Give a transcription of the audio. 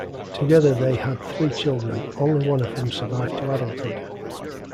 Together they had three children, only one of whom survived to adulthood.